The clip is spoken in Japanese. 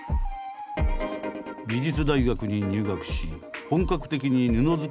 美術大学に入学し本格的に布作りを勉強。